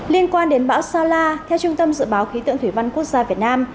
liên quan đến bão sao la theo trung tâm dự báo khí tượng thủy văn quốc gia việt nam